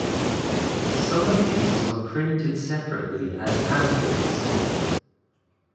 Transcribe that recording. Some of these were printed separately as pamphlets.